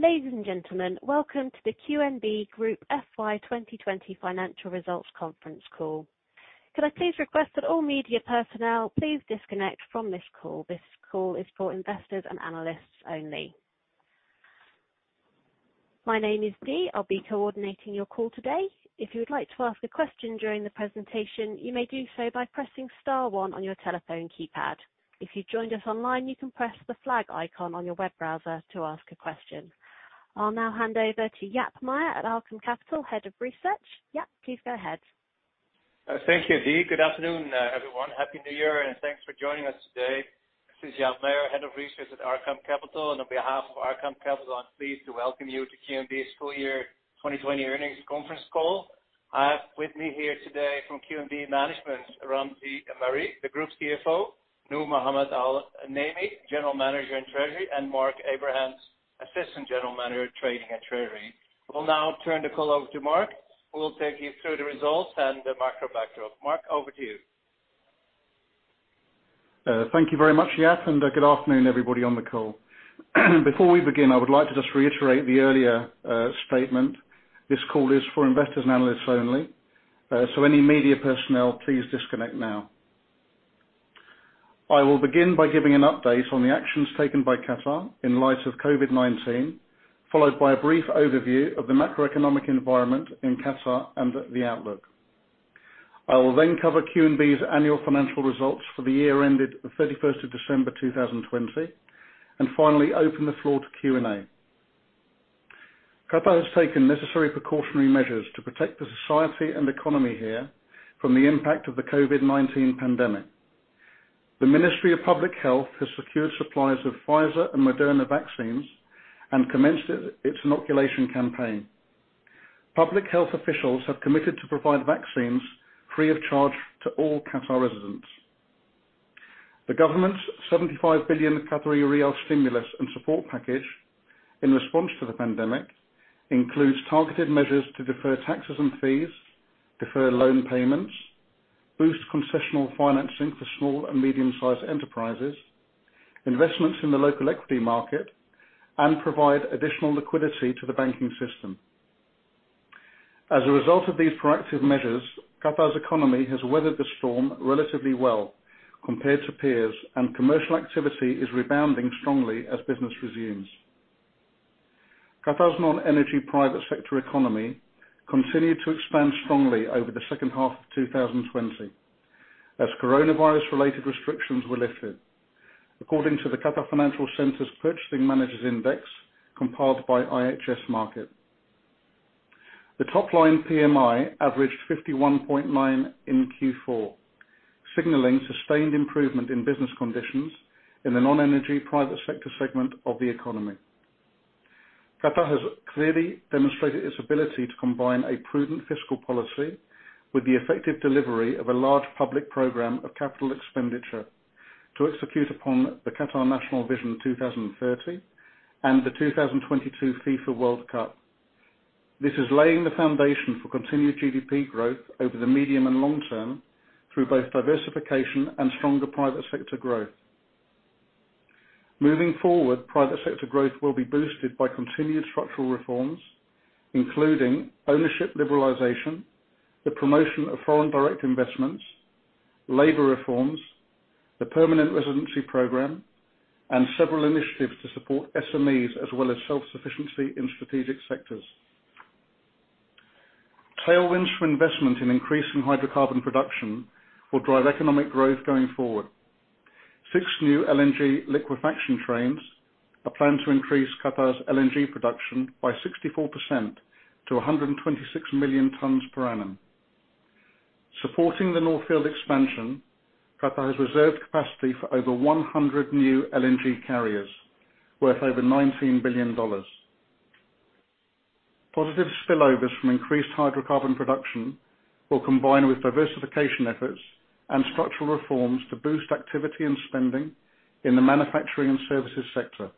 Ladies and gentlemen, welcome to the QNB Group FY 2020 Financial Results conference call. Could I please request that all media personnel please disconnect from this call. This call is for investors and analysts only. My name is Dee. I'll be coordinating your call today. If you would like to ask a question during the presentation, you may do so by pressing star one on your telephone keypad. If you joined us online, you can press the flag icon on your web browser to ask a question. I'll now hand over to Jaap Meijer at Arqaam Capital, head of research. Jaap, please go ahead. Thank you, Dee. Good afternoon, everyone. Happy New Year, thanks for joining us today. This is Jaap Meijer, head of research at Arqaam Capital. On behalf of Arqaam Capital, I'm pleased to welcome you to QNB Group full year 2020 earnings conference call. I have with me here today from QNB Management, Ramzi Mari, the Group Chief Financial Officer, Noor Mohamed Al-Naimi, General Manager - Group Treasury, and Mark Abrahams, Assistant General Manager, Trading and Treasury. We'll now turn the call over to Mark, who will take you through the results and the macro backdrop. Mark, over to you. Thank you very much, Jaap. Good afternoon, everybody on the call. Before we begin, I would like to just reiterate the earlier statement. This call is for investors and analysts only. Any media personnel, please disconnect now. I will begin by giving an update on the actions taken by Qatar in light of COVID-19, followed by a brief overview of the macroeconomic environment in Qatar and the outlook. I will then cover QNB's annual financial results for the year ended the 31st of December 2020. Finally open the floor to Q&A. Qatar has taken necessary precautionary measures to protect the society and economy here from the impact of the COVID-19 pandemic. The Ministry of Public Health has secured supplies of Pfizer and Moderna vaccines and commenced its inoculation campaign. Public health officials have committed to provide vaccines free of charge to all Qatar residents. The government's 75 billion Qatari riyal stimulus and support package, in response to the pandemic, includes targeted measures to defer taxes and fees, defer loan payments, boost concessional financing for small and medium-sized enterprises, investments in the local equity market, and provide additional liquidity to the banking system. As a result of these proactive measures, Qatar's economy has weathered the storm relatively well compared to peers. Commercial activity is rebounding strongly as business resumes. Qatar's non-energy private sector economy continued to expand strongly over the second half of 2020 as coronavirus-related restrictions were lifted, according to the Qatar Financial Centre's Purchasing Managers Index, compiled by IHS Markit. The top line PMI averaged 51.9 in Q4, signaling sustained improvement in business conditions in the non-energy private sector segment of the economy. Qatar has clearly demonstrated its ability to combine a prudent fiscal policy with the effective delivery of a large public program of capital expenditure to execute upon the Qatar National Vision 2030 and the 2022 FIFA World Cup. This is laying the foundation for continued GDP growth over the medium and long term through both diversification and stronger private sector growth. Moving forward, private sector growth will be boosted by continued structural reforms, including ownership liberalization, the promotion of foreign direct investments, labor reforms, the permanent residency program, and several initiatives to support SMEs, as well as self-sufficiency in strategic sectors. Tailwinds for investment in increasing hydrocarbon production will drive economic growth going forward. Six new LNG liquefaction trains are planned to increase Qatar's LNG production by 64% to 126 million tons per annum. Supporting the North Field expansion, Qatar has reserved capacity for over 100 new LNG carriers worth over $19 billion. Positive spillovers from increased hydrocarbon production will combine with diversification efforts and structural reforms to boost activity and spending in the manufacturing and services sector.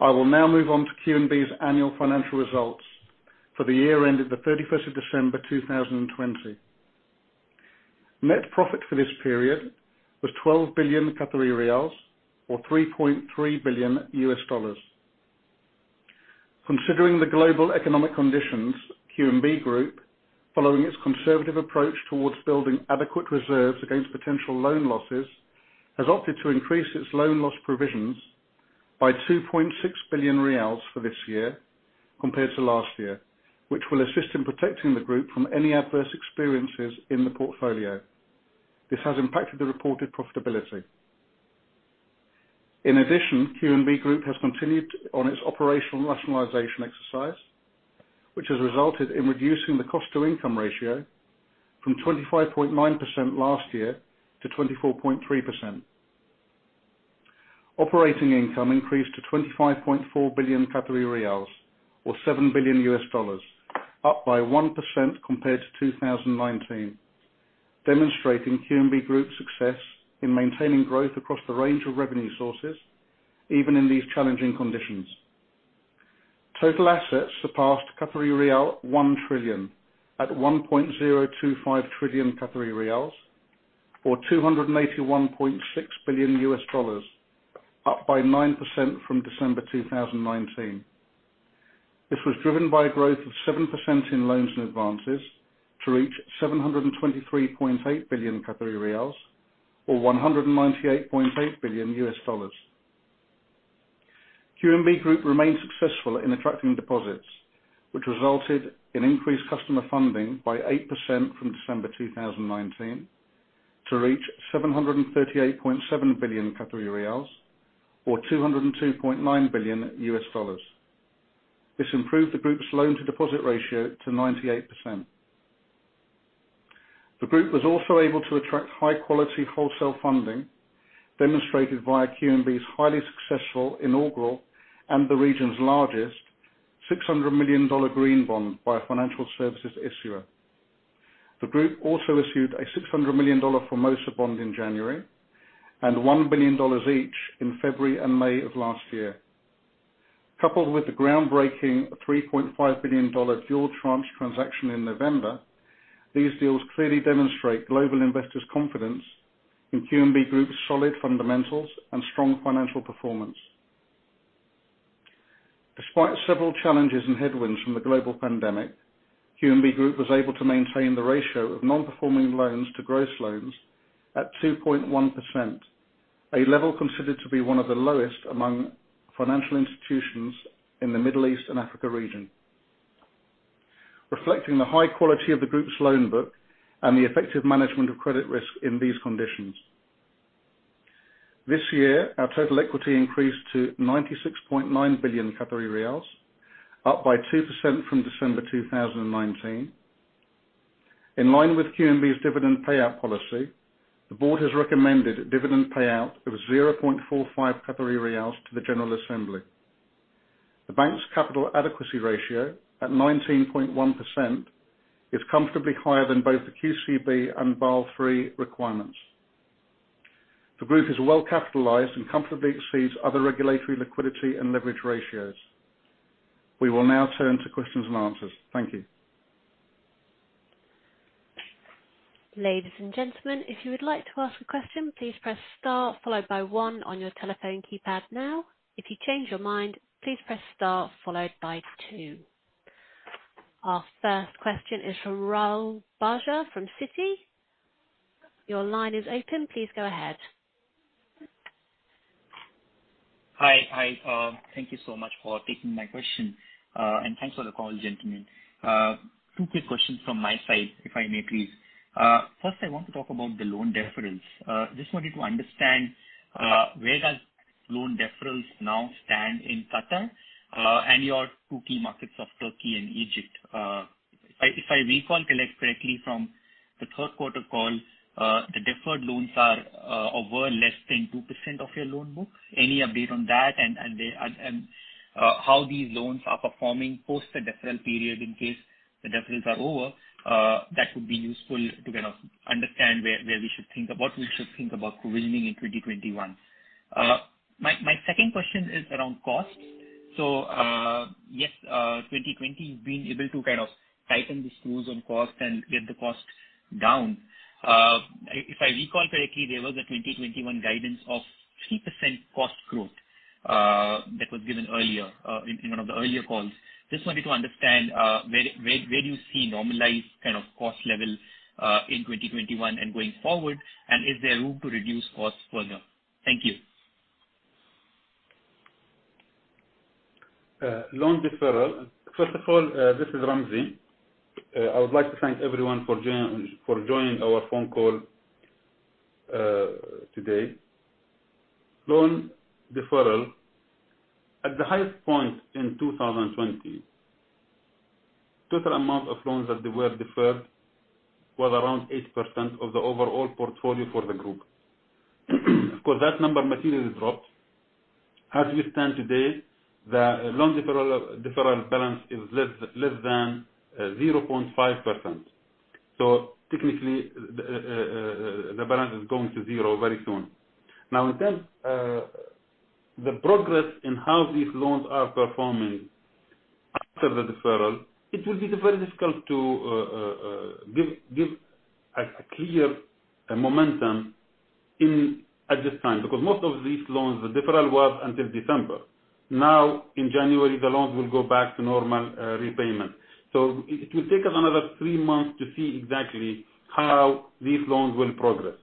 I will now move on to QNB's annual financial results for the year ended the 31st of December 2020. Net profit for this period was 12 billion Qatari riyals, or $3.3 billion. Considering the global economic conditions, QNB Group, following its conservative approach towards building adequate reserves against potential loan losses, has opted to increase its loan loss provisions by 2.6 billion riyals for this year compared to last year, which will assist in protecting the group from any adverse experiences in the portfolio. This has impacted the reported profitability. In addition, QNB Group has continued on its operational rationalization exercise, which has resulted in reducing the cost-to-income ratio from 25.9% last year to 24.3%. Operating income increased to 25.4 billion Qatari riyals, or $7 billion, up by 1% compared to 2019, demonstrating QNB Group's success in maintaining growth across the range of revenue sources, even in these challenging conditions. Total assets surpassed 1 trillion at 1.025 trillion Qatari riyals, or $281.6 billion, up by 9% from December 2019. This was driven by a growth of 7% in loans and advances to reach 723.8 billion Qatari riyals, or $198.8 billion. QNB Group remained successful in attracting deposits, which resulted in increased customer funding by 8% from December 2019 to reach 738.7 billion Qatari riyals, or $202.9 billion. This improved the group's loan-to-deposit ratio to 98%. The group was also able to attract high-quality wholesale funding, demonstrated via QNB's highly successful inaugural, and the region's largest, $600 million green bond by a financial services issuer. The group also issued a $600 million Formosa bond in January, and $1 billion each in February and May of last year. Coupled with the groundbreaking $3.5 billion dual tranche transaction in November, these deals clearly demonstrate global investors' confidence in QNB Group's solid fundamentals and strong financial performance. Despite several challenges and headwinds from the global pandemic, QNB Group was able to maintain the ratio of non-performing loans to gross loans at 2.1%, a level considered to be one of the lowest among financial institutions in the Middle East and Africa region, reflecting the high quality of the group's loan book and the effective management of credit risk in these conditions. This year, our total equity increased to 96.9 billion Qatari riyals, up by 2% from December 2019. In line with QNB's dividend payout policy, the board has recommended a dividend payout of 0.45 Qatari riyals to the general assembly. The bank's capital adequacy ratio, at 19.1%, is comfortably higher than both the QCB and Basel III requirements. The group is well capitalized and comfortably exceeds other regulatory liquidity and leverage ratios. We will now turn to questions and answers. Thank you. Ladies and gentlemen, if you would like to ask a question, please press star followed by one on your telephone keypad now. If you change your mind, please press star followed by two. Our first question is from Rahul Bajaj from Citi. Your line is open. Please go ahead. Hi. Thank you so much for taking my question, and thanks for the call, gentlemen. Two quick questions from my side, if I may, please. First, I want to talk about the loan deferrals. Just wanted to understand where does loan deferrals now stand in Qatar, and your two key markets of Turkey and Egypt? If I recall correctly from the third quarter call, the deferred loans are over less than 2% of your loan book. Any update on that, and how these loans are performing post the deferral period in case the deferrals are over? That would be useful to understand what we should think about provisioning in 2021. My second question is around cost. Yes, 2020, you've been able to tighten the screws on cost and get the cost down. If I recall correctly, there was a 2021 guidance of 3% cost growth that was given earlier, in one of the earlier calls. Just wanted to understand where do you see normalized cost level, in 2021 and going forward, and is there room to reduce costs further? Thank you. Loan deferral. First of all, this is Ramzi. I would like to thank everyone for joining our phone call today. Loan deferral, at the highest point in 2020, total amount of loans that they were deferred was around 8% of the overall portfolio for the group. Of course, that number materially dropped. As we stand today, the loan deferral balance is less than 0.5%. Technically, the balance is going to zero very soon. In terms the progress in how these loans are performing after the deferral, it will be very difficult to give a clear momentum at this time. Because most of these loans, the deferral was until December. In January, the loans will go back to normal repayment. It will take us another three months to see exactly how these loans will progress.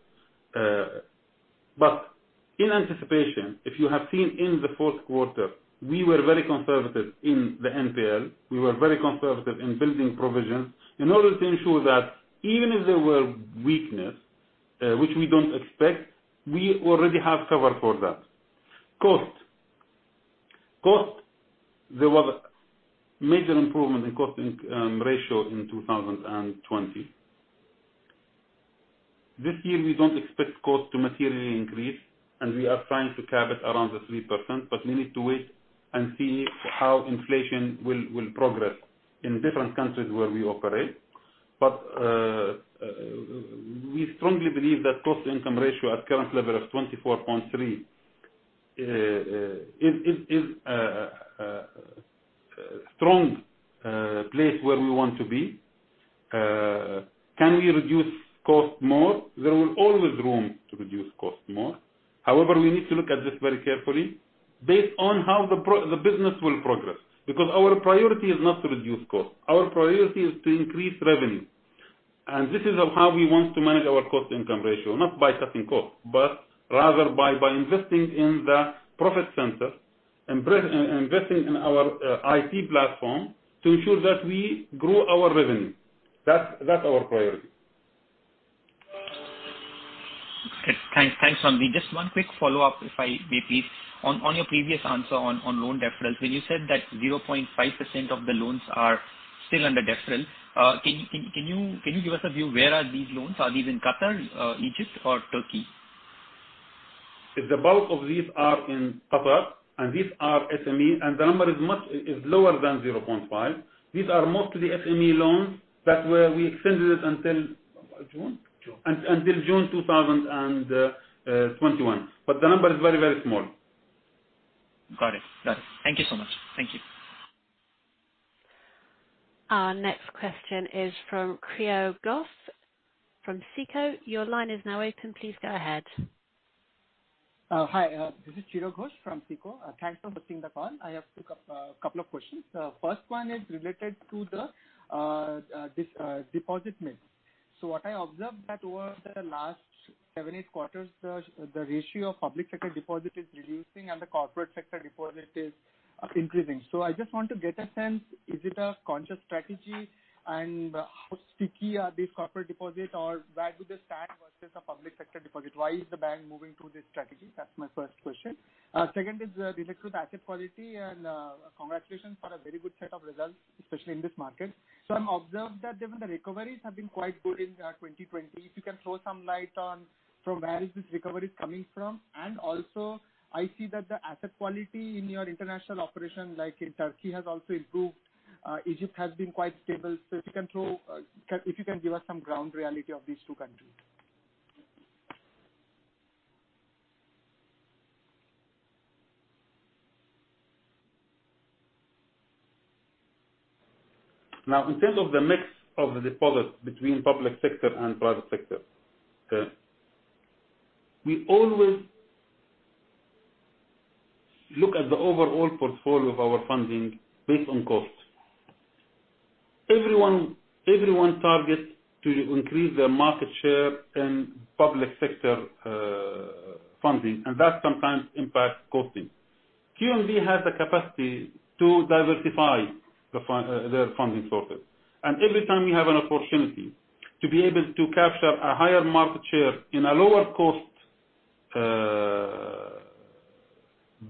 In anticipation, if you have seen in the fourth quarter, we were very conservative in the NPL. We were very conservative in building provisions in order to ensure that even if there were weakness, which we don't expect, we already have cover for that. Cost. There was a major improvement in cost ratio in 2020. This year, we don't expect cost to materially increase. We are trying to cap it around the 3%. We need to wait and see how inflation will progress in different countries where we operate. We strongly believe that cost-to-income ratio at current level of 24.3, is a strong place where we want to be. Can we reduce costs more? There will always room to reduce costs more. However, we need to look at this very carefully based on how the business will progress. Because our priority is not to reduce cost, our priority is to increase revenue. This is how we want to manage our cost-income ratio, not by cutting costs, but rather by investing in the profit center, investing in our IT platform to ensure that we grow our revenue. That's our priority. Okay. Thanks, Ramzi. Just one quick follow-up, if I may please. On your previous answer on loan deferrals, when you said that 0.5% of the loans are still under deferral, can you give us a view where are these loans? Are these in Qatar, Egypt or Turkey? The bulk of these are in Qatar. These are SME. The number is lower than 0.5. These are mostly SME loans that we extended until June? June. Until June 2021. The number is very small. Got it. Thank you so much. Thank you. Our next question is from Chiradeep Ghosh from SICO. Your line is now open. Please go ahead. Hi, this is Chiradeep Ghosh from SICO. Thanks for hosting the call. I have two couple of questions. First one is related to the deposit mix. What I observed that over the last seven, eight quarters, the ratio of public sector deposit is reducing and the corporate sector deposit is increasing. I just want to get a sense, is it a conscious strategy, and how sticky are these corporate deposits or where do they stand versus a public sector deposit? Why is the bank moving to this strategy? That's my first question. Second is related to asset quality and congratulations for a very good set of results, especially in this market. I've observed that even the recoveries have been quite good in 2020. If you can throw some light on from where is this recovery coming from? Also I see that the asset quality in your international operation like in Turkey has also improved. Egypt has been quite stable. If you can give us some ground reality of these two countries. In terms of the mix of the deposit between public sector and private sector. We always look at the overall portfolio of our funding based on costs. Everyone targets to increase their market share in public sector funding, and that sometimes impacts costing. QNB has the capacity to diversify their funding sources. Every time we have an opportunity to be able to capture a higher market share in a lower cost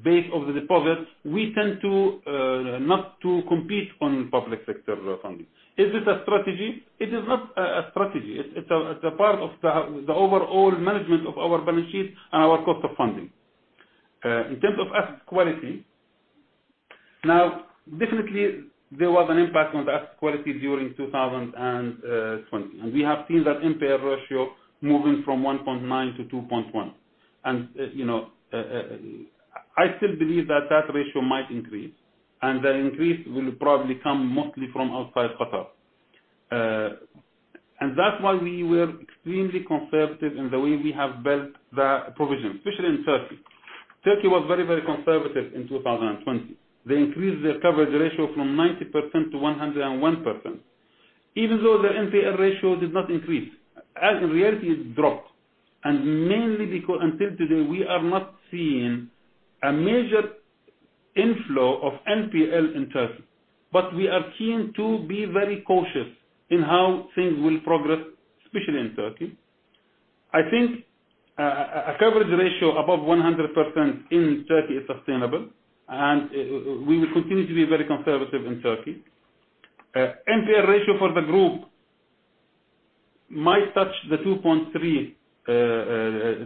base of the deposits, we tend to not to compete on public sector funding. Is this a strategy? It is not a strategy. It's a part of the overall management of our balance sheet and our cost of funding. In terms of asset quality. Definitely there was an impact on the asset quality during 2020. We have seen that NPL ratio moving from 1.9 to 2.1. I still believe that that ratio might increase, and the increase will probably come mostly from outside Qatar. That's why we were extremely conservative in the way we have built the provision, especially in Turkey. Turkey was very conservative in 2020. They increased their coverage ratio from 90%-101%, even though their NPL ratio did not increase. As a reality, it dropped, and mainly because until today, we are not seeing a major inflow of NPL in Turkey. We are keen to be very cautious in how things will progress, especially in Turkey. I think a coverage ratio above 100% in Turkey is sustainable, and we will continue to be very conservative in Turkey. NPL ratio for the group might touch the 2.3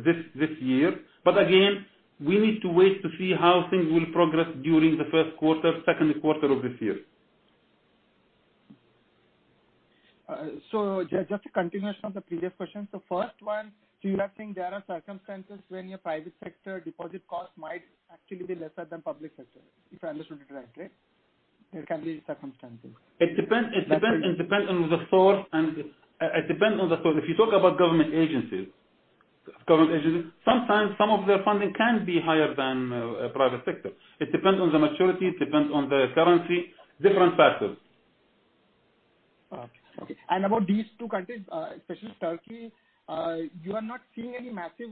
this year. Again, we need to wait to see how things will progress during the first quarter, second quarter of this year. Just a continuation of the previous question. First one, do you are saying there are circumstances when your private sector deposit cost might actually be lesser than public sector? If I understood it correctly. There can be circumstances. It depends on the source. If you talk about government agencies, sometimes some of their funding can be higher than private sector. It depends on the maturity, it depends on the currency, different factors. Okay. About these two countries, especially Turkey, you are not seeing any massive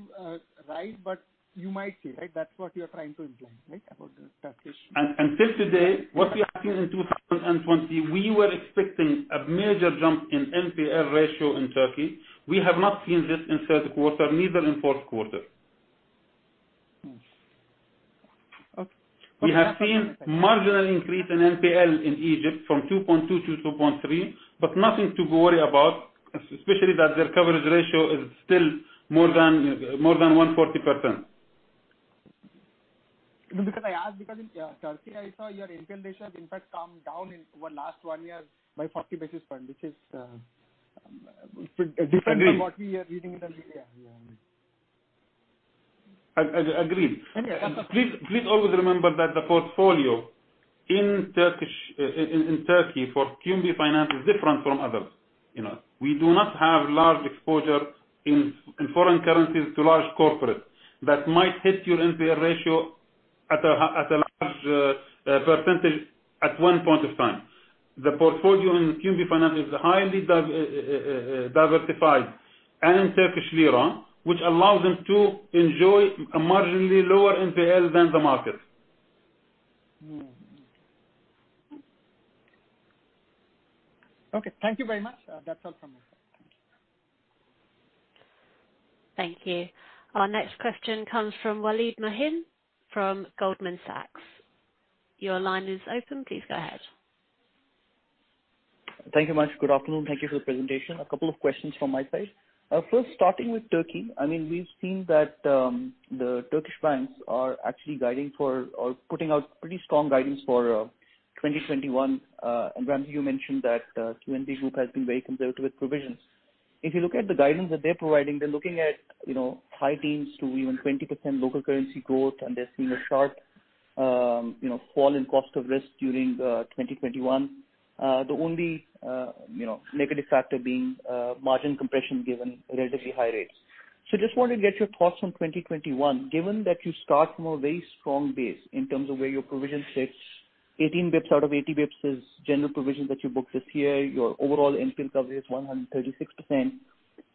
rise, but you might see, right? That's what you are trying to imply, right? Till today, what we have seen in 2020, we were expecting a major jump in NPL ratio in Turkey. We have not seen this in third quarter, neither in fourth quarter. Okay. We have seen marginal increase in NPL in Egypt from 2.2%-2.3%. Nothing to worry about, especially that their coverage ratio is still more than 140%. I asked because in Turkey I saw your NPL ratio has in fact come down over the last one year by 40 basis points, which is different from what we are reading in the media. Agreed. Okay. Please always remember that the portfolio in Turkey for QNB Finansbank is different from others. We do not have large exposure in foreign currencies to large corporates that might hit your NPL ratio at a large percentage at one point of time. The portfolio in QNB Finansbank is highly diversified and Turkish lira, which allows us to enjoy a marginally lower NPL than the market. Okay. Thank you very much. That's all from my side. Thank you. Thank you. Our next question comes from Waleed Malik Mohsin from Goldman Sachs. Your line is open. Please go ahead. Thank you very much. Good afternoon. Thank you for the presentation. A couple of questions from my side. First, starting with Turkey, we've seen that the Turkish banks are actually putting out pretty strong guidance for 2021. Ramzi Mari, you mentioned that QNB Group has been very conservative with provisions. If you look at the guidance that they're providing, they're looking at high teens to even 20% local currency growth, and they're seeing a sharp fall in cost of risk during 2021. The only negative factor being margin compression given relatively high rates. Just wanted to get your thoughts on 2021, given that you start from a very strong base in terms of where your provision sits, 18 basis points out of 80 basis points is general provision that you booked this year. Your overall NPL cover is 136%.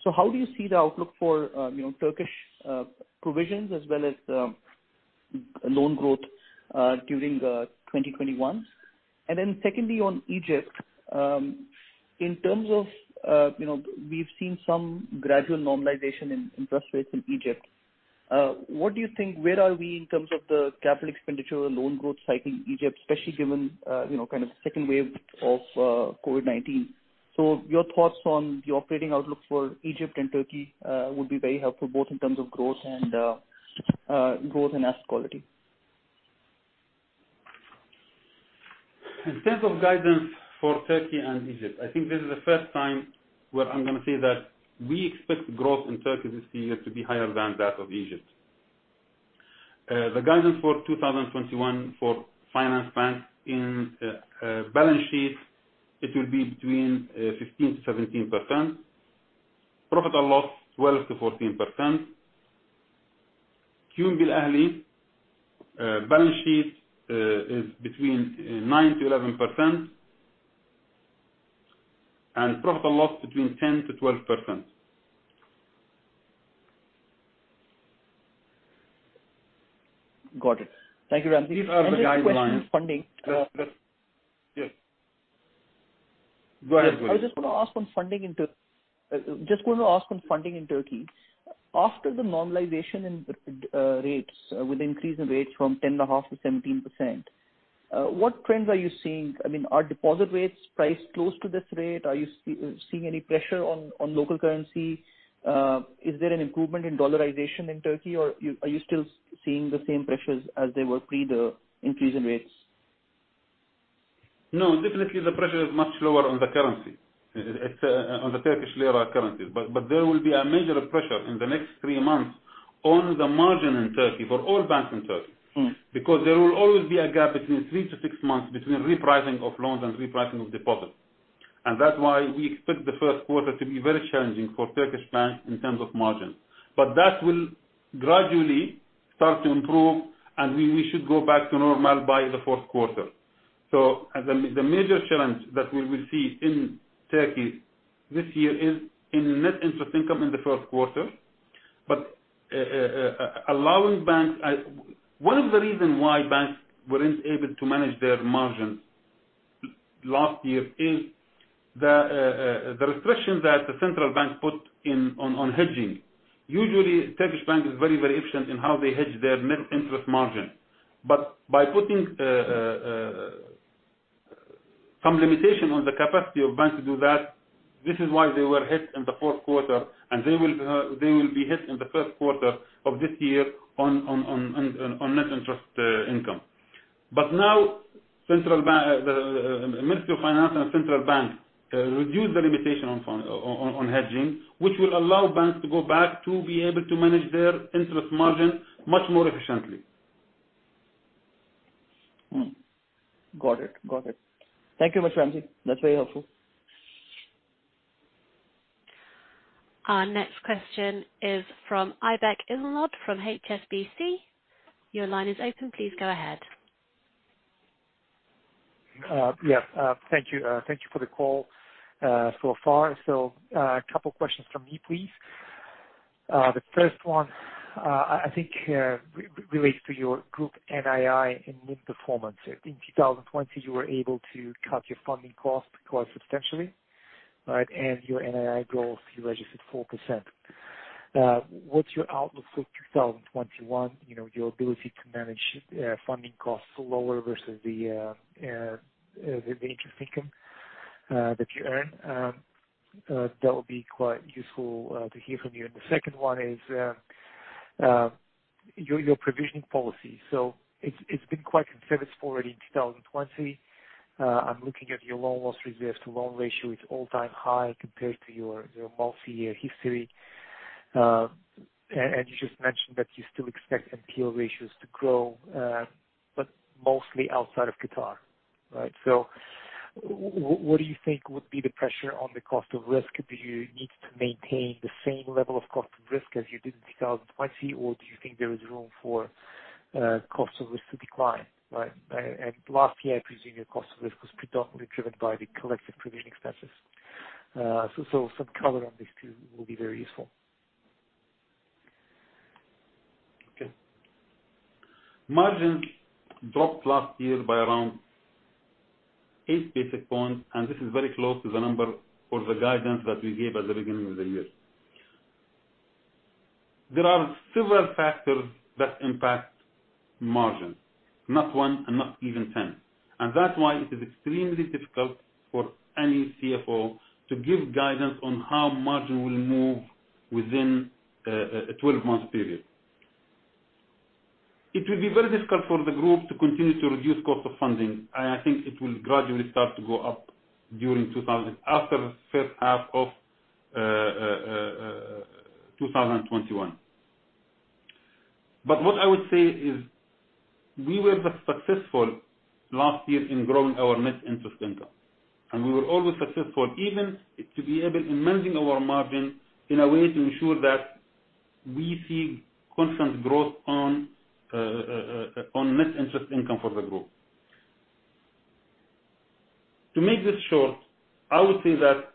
How do you see the outlook for Turkish provisions as well as loan growth, during 2021? Secondly, on Egypt, in terms of, we've seen some gradual normalization in interest rates in Egypt. What do you think, where are we in terms of the capital expenditure loan growth cycle in Egypt, especially given, kind of second wave of COVID-19? Your thoughts on the operating outlook for Egypt and Turkey would be very helpful, both in terms of growth and asset quality. In terms of guidance for Turkey and Egypt, I think this is the first time where I'm going to say that we expect growth in Turkey this year to be higher than that of Egypt. The guidance for 2021 for QNB Finansbank in balance sheet, it will be between 15%-17%. Profit or loss, 12%-14%. QNB Alahli, balance sheet is between 9%-11%, and profit or loss between 10%-12%. Got it. Thank you, Ramzi. These are the guidelines. I have a question on funding. Yes. Go ahead, Walid. I just want to ask on funding in Turkey. After the normalization in rates, with increase in rates from 10.5% to 17%, what trends are you seeing? Are deposit rates priced close to this rate? Are you seeing any pressure on local currency? Is there an improvement in dollarization in Turkey, or are you still seeing the same pressures as they were pre the increase in rates? No, definitely, the pressure is much lower on the currency. On the Turkish lira currency. There will be a major pressure in the next three months on the margin in Turkey for all banks in Turkey. There will always be a gap between three to six months between repricing of loans and repricing of deposits. That's why we expect the first quarter to be very challenging for Turkish banks in terms of margin. That will gradually start to improve, and we should go back to normal by the fourth quarter. The major challenge that we will see in Turkey this year is in net interest income in the first quarter. One of the reasons why banks weren't able to manage their margins last year is the restriction that the Central Bank put on hedging. Usually, Turkish bank is very efficient in how they hedge their net interest margin. By putting some limitation on the capacity of banks to do that, this is why they were hit in the fourth quarter, and they will be hit in the first quarter of this year on net interest income. Now, Ministry of Finance and Central Bank reduced the limitation on hedging, which will allow banks to go back to be able to manage their interest margin much more efficiently. Got it. Thank you, Mr. Ramzi. That's very helpful. Our next question is from Aybek Islamov from HSBC. Your line is open. Please go ahead. Yes. Thank you for the call so far. A couple questions from me, please. The first one, I think, relates to your group NII and NIM performance. In 2020, you were able to cut your funding cost quite substantially. Right? Your NII growth, you registered 4%. What's your outlook for 2021, your ability to manage funding costs lower versus the interest income that you earn? That will be quite useful to hear from you. The second one is your provisioning policy. It's been quite conservative already in 2020. I'm looking at your loan loss reserves to loan ratio, it's all-time high compared to your multi-year history. You just mentioned that you still expect NPL ratios to grow, but mostly outside of Qatar. What do you think would be the pressure on the cost of risk? Do you need to maintain the same level of cost of risk as you did in 2020? Or do you think there is room for cost of risk to decline? Last year, I presume your cost of risk was predominantly driven by the collective provision expenses. Some color on these two will be very useful. Okay. Margins dropped last year by around eight basic points. This is very close to the number for the guidance that we gave at the beginning of the year. There are several factors that impact margin, not one and not even 10. That's why it is extremely difficult for any CFO to give guidance on how margin will move within a 12-month period. It will be very difficult for the group to continue to reduce cost of funding. I think it will gradually start to go up after the first half of 2021. What I would say is we were successful last year in growing our net interest income. We were always successful even to be able, in managing our margin, in a way to ensure that we see constant growth on net interest income for the group. To make this short, I would say that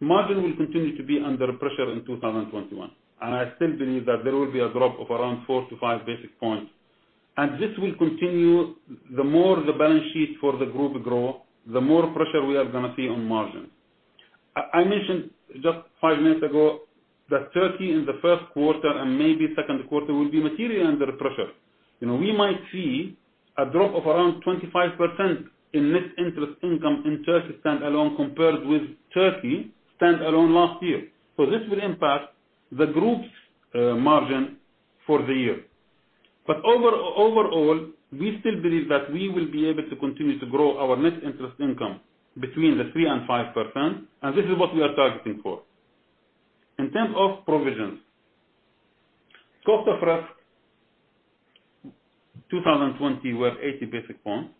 margin will continue to be under pressure in 2021, and I still believe that there will be a drop of around four to five basic points. This will continue. The more the balance sheet for the group grows, the more pressure we are going to see on margins. I mentioned just five minutes ago that Turkey in the first quarter and maybe second quarter will be materially under pressure. We might see a drop of around 25% in net interest income in Turkey standalone compared with Turkey standalone last year. This will impact the group's margin for the year. Overall, we still believe that we will be able to continue to grow our net interest income between the 3% and 5%, and this is what we are targeting for. In terms of provisions, cost of risk 2020 were 80 basic points.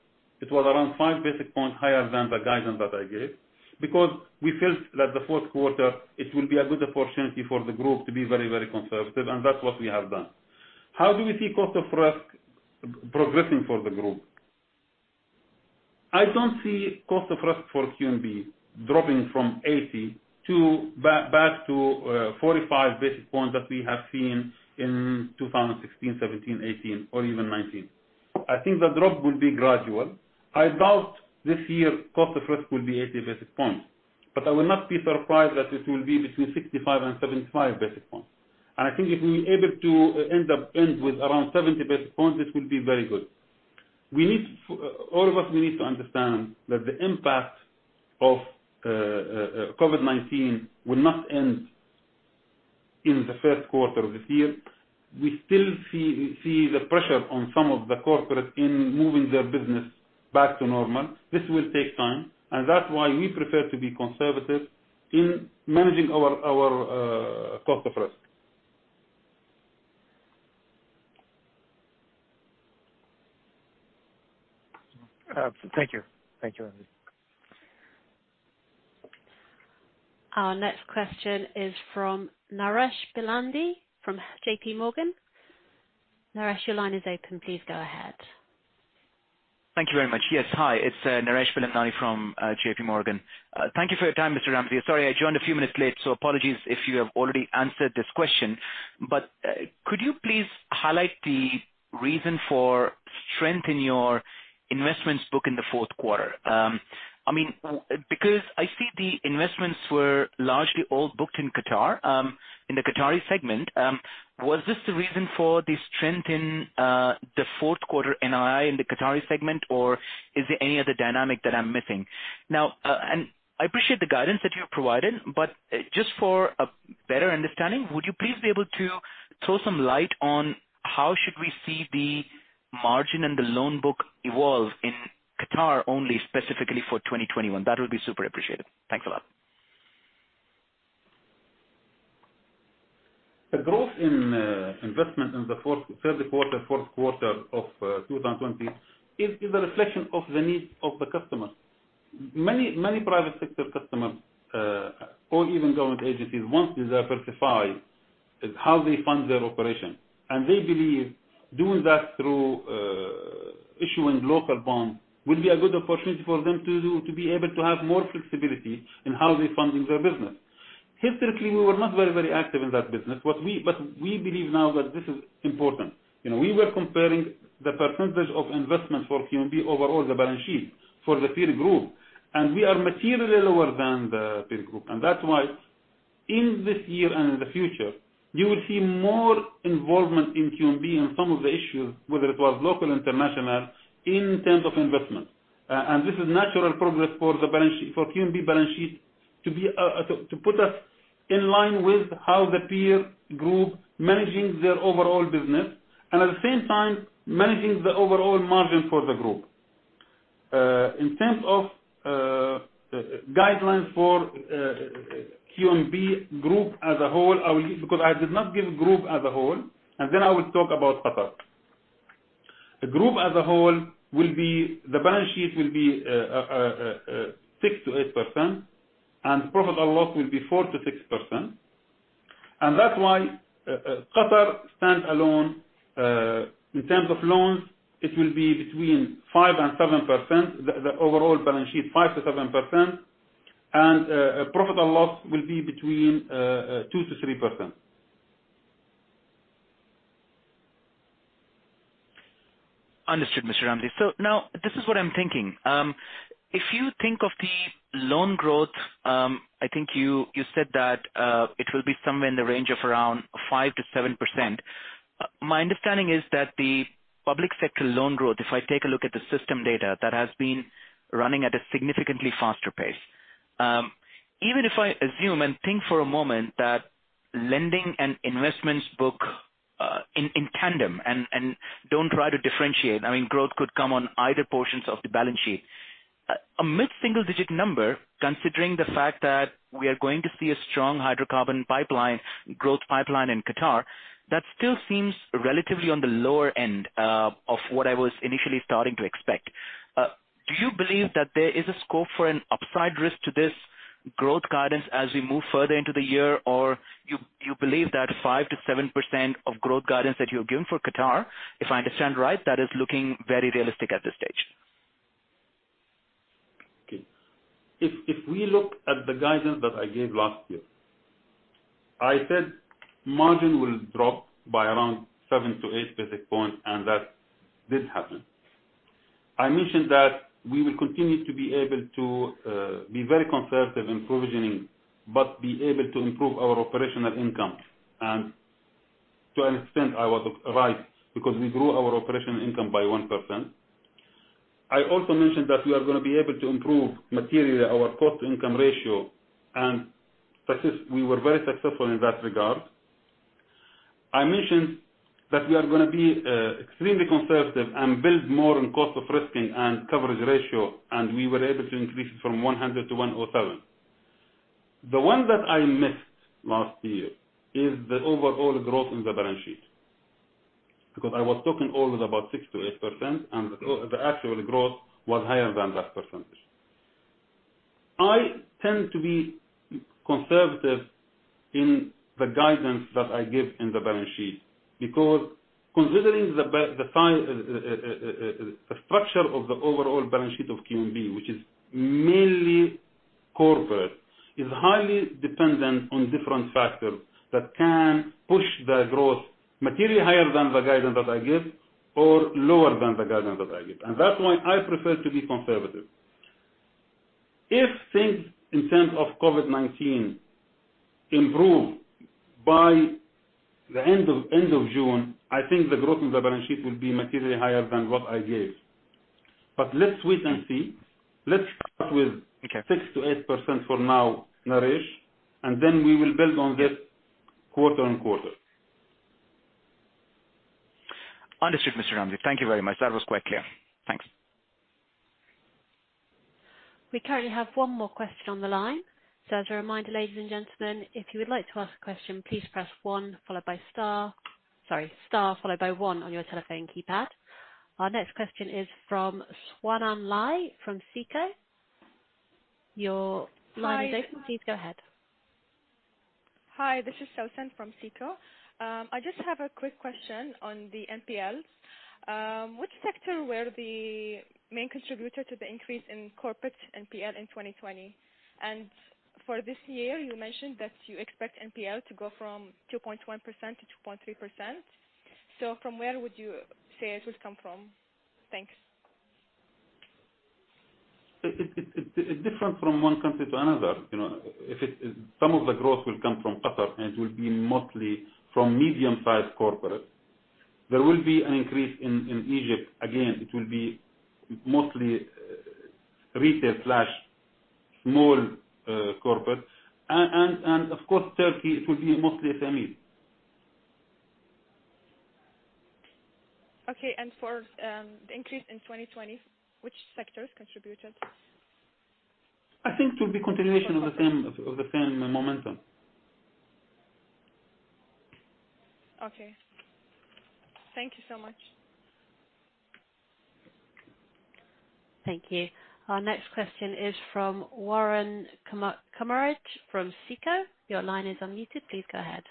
It was around five basic points higher than the guidance that I gave, because we felt that the fourth quarter, it will be a good opportunity for the group to be very conservative, and that's what we have done. How do we see cost of risk progressing for the group? I don't see cost of risk for QNB dropping from 80 back to 45 basic points that we have seen in 2016, 2017, 2018, or even 2019. I think the drop will be gradual. I doubt this year cost of risk will be 80 basic points, but I will not be surprised that it will be between 65 and 75 basic points. I think if we are able to end with around 70 basic points, it will be very good. All of us, we need to understand that the impact of COVID-19 will not end in the first quarter of this year. We still see the pressure on some of the corporate in moving their business back to normal. This will take time, and that's why we prefer to be conservative in managing our cost of risk. Thank you. Thank you. Our next question is from Naresh Bilandani from JP Morgan. Naresh, your line is open. Please go ahead. Thank you very much. Yes, hi, it's Naresh Bilandani from JP Morgan. Thank you for your time, Mr. Al Ramahi. Sorry, I joined a few minutes late, so apologies if you have already answered this question. Could you please highlight the reason for strength in your investments book in the fourth quarter? I see the investments were largely all booked in Qatar, in the Qatari segment. Was this the reason for the strength in the fourth quarter NII in the Qatari segment, or is there any other dynamic that I'm missing? I appreciate the guidance that you have provided, but just for a better understanding, would you please be able to throw some light on how should we see the margin and the loan book evolve in Qatar only specifically for 2021? That would be super appreciated. Thanks a lot. The growth in investment in the third quarter, fourth quarter of 2020 is a reflection of the needs of the customers. Many private sector customers, or even government agencies, want to diversify how they fund their operation. They believe doing that through issuing local bonds will be a good opportunity for them to be able to have more flexibility in how they are funding their business. Historically, we were not very active in that business. We believe now that this is important. We were comparing the percentage of investment for QNB overall, the balance sheet for the peer group. We are materially lower than the peer group. That's why In this year and in the future, you will see more involvement in QNB in some of the issues, whether it was local, international, in terms of investment. This is natural progress for QNB balance sheet to put us in line with how the peer group managing their overall business, and at the same time, managing the overall margin for the group. In terms of guidelines for QNB Group as a whole, because I did not give group as a whole, then I will talk about Qatar. The group as a whole, the balance sheet will be 6%-8%, and profit unlock will be 4%-6%. That's why Qatar stands alone. In terms of loans, it will be between 5% and 7%, the overall balance sheet, 5%-7%. Profit unlock will be between 2% and 3%. Understood, Mr. Ramzi. Now, this is what I'm thinking. If you think of the loan growth, I think you said that it will be somewhere in the range of around 5%-7%. My understanding is that the public sector loan growth, if I take a look at the system data, that has been running at a significantly faster pace. Even if I assume and think for a moment that lending and investments book in tandem, and don't try to differentiate, growth could come on either portions of the balance sheet. A mid-single-digit number, considering the fact that we are going to see a strong hydrocarbon growth pipeline in Qatar, that still seems relatively on the lower end of what I was initially starting to expect. Do you believe that there is a scope for an upside risk to this growth guidance as we move further into the year? Do you believe that 5%-7% of growth guidance that you have given for Qatar, if I understand right, that is looking very realistic at this stage? Okay. If we look at the guidance that I gave last year. I said margin will drop by around 7-8 basis points, that did happen. I mentioned that we will continue to be able to be very conservative in provisioning, but be able to improve our operational income. To an extent, I was right because we grew our operational income by 1%. I also mentioned that we are going to be able to improve materially our cost-to-income ratio, and we were very successful in that regard. I mentioned that we are going to be extremely conservative and build more on cost of risk and coverage ratio, and we were able to increase it from 100-107. The one that I missed last year is the overall growth in the balance sheet. I was talking always about 6%-8%, and the actual growth was higher than that percentage. I tend to be conservative in the guidance that I give in the balance sheet because considering the structure of the overall balance sheet of QNB, which is mainly corporate, is highly dependent on different factors that can push the growth materially higher than the guidance that I give or lower than the guidance that I give. That's why I prefer to be conservative. If things in terms of COVID-19 improve by the end of June, I think the growth in the balance sheet will be materially higher than what I gave. Let's wait and see. Let's start with- Okay 6%-8% for now, Naresh, then we will build on this quarter and quarter. Understood, Mr. Ramzi. Thank you very much. That was quite clear. Thanks. We currently have one more question on the line. As a reminder, ladies and gentlemen, if you would like to ask a question, please press one followed by star followed by one on your telephone keypad. Our next question is from Sowan Lai from SICO. Your line is open. Please go ahead. Hi, this is Sowan from SICO. I just have a quick question on the NPL. Which sector were the main contributor to the increase in corporate NPL in 2020? For this year, you mentioned that you expect NPL to go from 2.1% to 2.3%. From where would you say it will come from? Thanks. It's different from one country to another. Some of the growth will come from Qatar, and it will be mostly from medium-sized corporate. There will be an increase in Egypt. Again, it will be mostly retail/small corporate. Of course, Turkey, it will be mostly SME. Okay. For the increase in 2020, which sectors contributed? I think it will be continuation of the same momentum. Okay. Thank you so much. Thank you. Our next question is from Waruna Kumarage from SICO. Your line is unmuted. Please go ahead.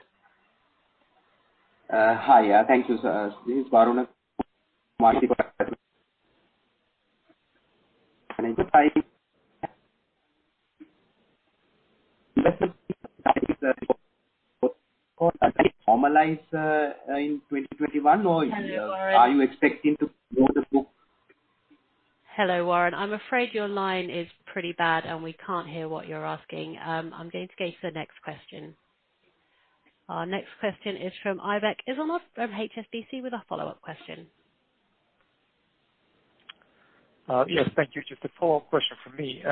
Hi. Thank you. This is Varun. formalize in 2021 or are you expecting to grow the book Hello, Warren. I'm afraid your line is pretty bad, and we can't hear what you're asking. I'm going to go to the next question. Our next question is from Aybek Islamov from HSBC with a follow-up question. Yes, thank you. Just a follow-up question from me.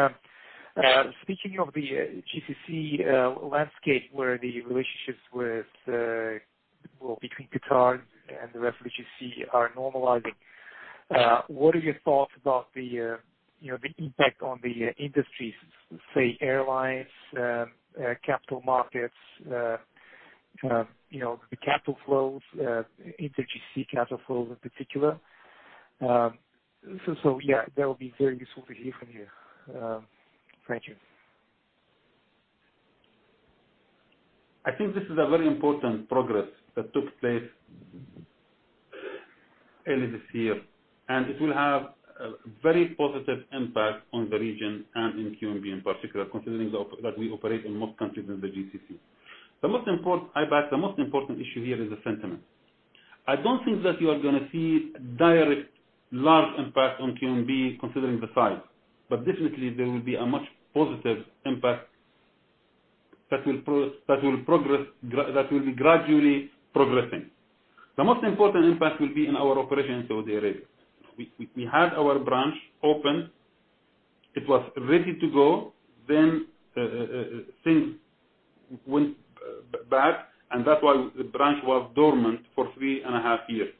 Speaking of the GCC landscape, where the relationships between Qatar and the rest of GCC are normalizing, what are your thoughts about the impact on the industries, say airlines, capital markets, the capital flows, inter-GCC capital flows in particular? That would be very useful to hear from you. Thank you. I think this is a very important progress that took place early this year, and it will have a very positive impact on the region and in QNB in particular, considering that we operate in most countries in the GCC. Ibek, the most important issue here is the sentiment. I don't think that you are going to see a direct large impact on QNB, considering the size. Definitely, there will be a much positive impact that will be gradually progressing. The most important impact will be in our operations in Saudi Arabia. We had our branch open. It was ready to go, then things went back, and that's why the branch was dormant for three and a half years.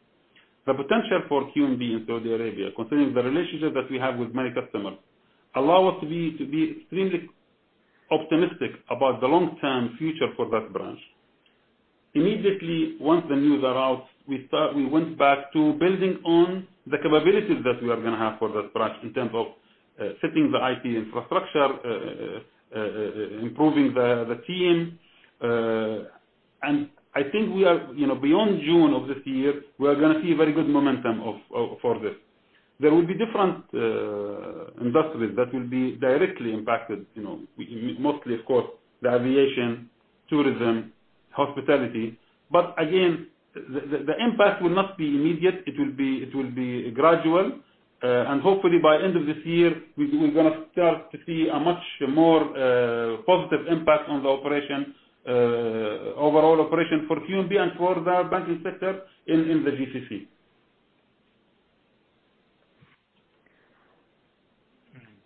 The potential for QNB in Saudi Arabia, considering the relationship that we have with many customers, allow us to be extremely optimistic about the long-term future for that branch. Immediately, once the news are out, we went back to building on the capabilities that we are going to have for that branch in terms of setting the IT infrastructure, improving the team. I think beyond June of this year, we are going to see a very good momentum for this. There will be different industries that will be directly impacted. Mostly, of course, the aviation, tourism, hospitality. Again, the impact will not be immediate. It will be gradual. Hopefully, by end of this year, we're going to start to see a much more positive impact on the overall operation for QNB and for the banking sector in the GCC.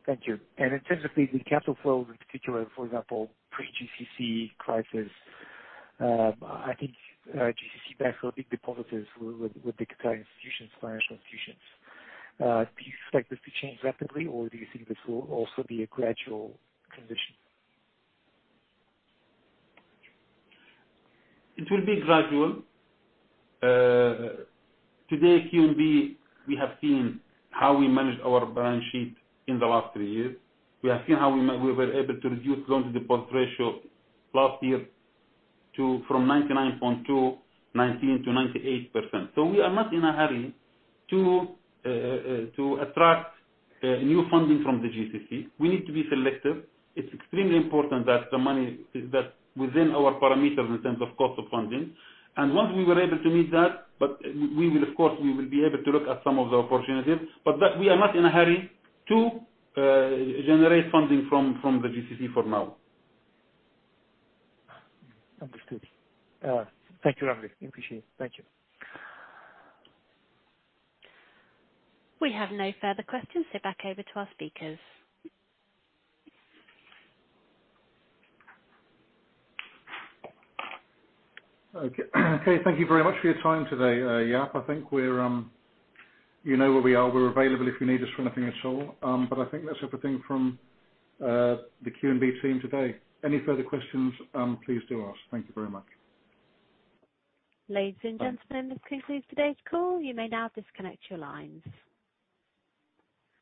Thank you. In terms of the capital flows in particular, for example, pre-GCC crisis, I think GCC banks were big depositors with the Qatar institutions, financial institutions. Do you expect this to change rapidly, or do you think this will also be a gradual condition? It will be gradual. Today, QNB, we have seen how we managed our balance sheet in the last three years. We have seen how we were able to reduce loan-to-deposit ratio last year from 99.2, 19 to 98%. We are not in a hurry to attract new funding from the GCC. We need to be selective. It's extremely important that the money is within our parameters in terms of cost of funding. Once we were able to meet that, of course, we will be able to look at some of the opportunities. We are not in a hurry to generate funding from the GCC for now. Understood. Thank you, Rashed. Appreciate it. Thank you. We have no further questions. Back over to our speakers. Okay. Thank you very much for your time today. Jaap, I think you know where we are. We're available if you need us for anything at all. I think that's everything from the QNB team today. Any further questions, please do ask. Thank you very much. Ladies and gentlemen, this concludes today's call. You may now disconnect your lines.